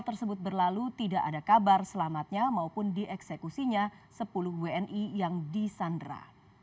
tersebut berlalu tidak ada kabar selamatnya maupun dieksekusinya sepuluh wni yang disandra